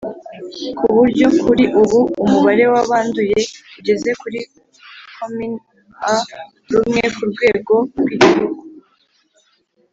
ku buryo kuri ubu umubare w'abanduye ugeze kuri cumin a rumwe ku rwego rw'igihugu.